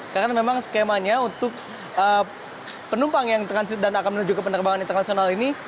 karena memang skemanya untuk penumpang yang transit dan akan menuju ke penerbangan internasional ini